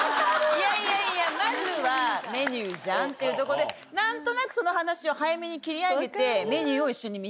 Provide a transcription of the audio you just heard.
いやいやいやまずはメニューじゃんっていうとこで何となく。って促してみるんですよ。